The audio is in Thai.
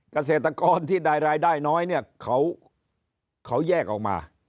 เกษตรกรที่ได้รายได้น้อยเนี่ยเขาแยกออกมา